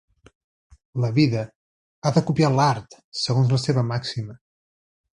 La vida ha de copiar l'art, segons la seva màxima.